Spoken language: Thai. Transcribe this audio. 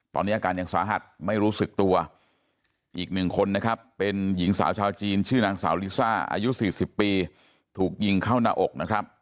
ตอนนี้อาการยังสาหัสไม่รู้สึกตัวอีกหนึ่งคนนะครับเป็นหญิงสาวชาวจีนชื่อนางสาวลิซ่าอายุ๔๐ปีถูกยิงเข้าหน้าอกนะครับ